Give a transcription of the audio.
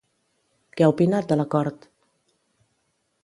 Què ha opinat de l'acord?